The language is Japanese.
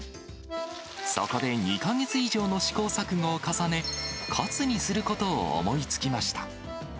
そこで２か月以上の試行錯誤を重ね、カツにすることを思いつきました。